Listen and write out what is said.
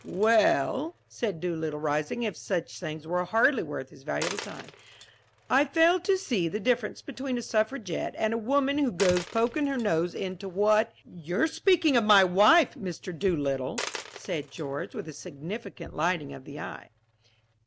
"Well," said Doolittle rising, as if such things were hardly worth his valuable time, "I fail to see the difference between a suffragette an' a woman who goes pokin' her nose into what " "You're speaking of my wife, Mr. Doolittle," said George, with a significant lighting of the eye.